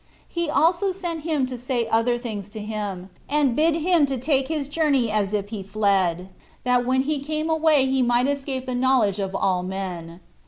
He also sent him to say other things to him, and bid him to take his journey as if he fled, that when he came away he might escape the knowledge of all men.